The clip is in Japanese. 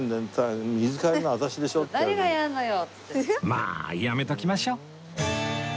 まあやめときましょ